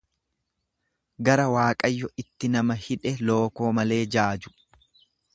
Gara waaqayyo itti nama hidhe lookoo malee jaaju.